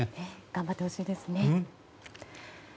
頑張ってほしいですね。